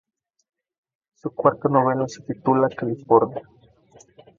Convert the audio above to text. Su cuarta novela se titula California.